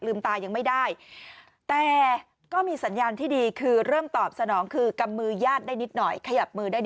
ลืมตายังไม่ได้แต่ก็มีสัญญาณที่ดีคือเริ่มตอบสนองคือกำมือยาดได้นิดหน่อย